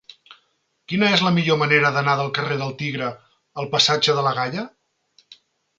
Quina és la millor manera d'anar del carrer del Tigre al passatge de la Galla?